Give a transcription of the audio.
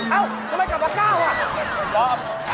เอ้าทำไมกลับมาเก้าล่ะ